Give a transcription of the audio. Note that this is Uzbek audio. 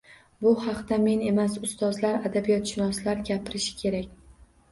Bu haqda men emas, ustozlar, adabiyotshunoslar gapirishi kerak.